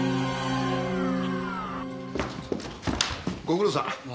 ご苦労さん。